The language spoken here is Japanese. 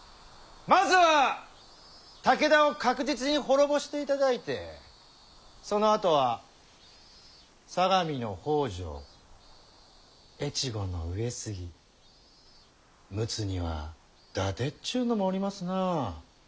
まずは武田を確実に滅ぼしていただいてそのあとは相模の北条越後の上杉陸奥には伊達っちゅうのもおりますなあ。